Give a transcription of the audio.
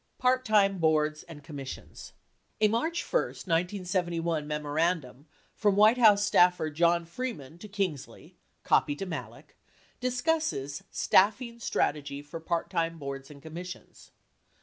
PART TIME BOARDS AND COMMISSIONS A March 1, 1971, memorandum from White House staffer John Freeman to Kingsley (copy to Malek) discusses "Staffing Strategy for Part Time Boards and Commissions."